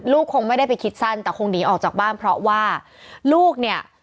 คงไม่ได้ไปคิดสั้นแต่คงหนีออกจากบ้านเพราะว่าลูกเนี่ย